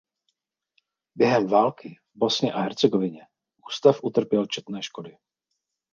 Během války v Bosně a Hercegovině ústav utrpěl četné škody.